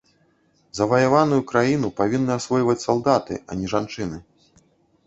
Заваяваную краіну павінны асвойваць салдаты, а не жанчыны.